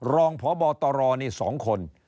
รองพบตรนี่๒คน